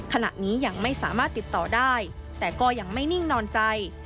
ขณะนี้ยังไม่สามารถติดต่อได้แต่ก็ยังไม่นิ่งนอนใจ